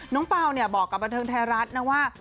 เปล่าเนี่ยบอกกับบันเทิงไทยรัฐนะว่า